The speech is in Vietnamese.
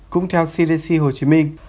cũng theo cdc hồ chí minh